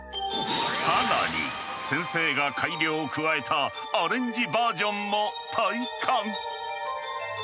更に先生が改良を加えたアレンジバージョンも体感。